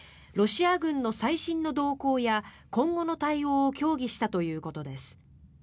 ロシア軍の最新の動向や今後の対応を協議したということです。